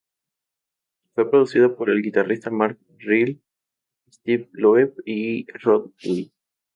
Fue producido por el guitarrista Mark Reale, Steve Loeb y Rod Hui.